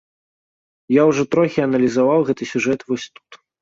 Я ўжо трохі аналізаваў гэты сюжэт вось тут.